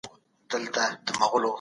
هغه څوک چي درناوی کوي، ښه نوم لري.